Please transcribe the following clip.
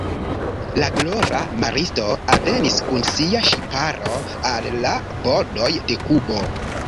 La glora maristo alvenis kun sia ŝiparo al la bordoj de Kubo.